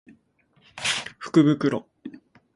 福袋